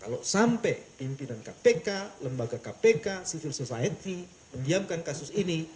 kalau sampai pimpinan kpk lembaga kpk civil society mendiamkan kasus ini